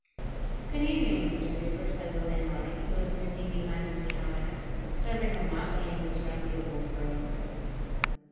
"Good evening, Mr Hooper," said the landlord, who was busy behind his counter serving a motley and disreputable crew.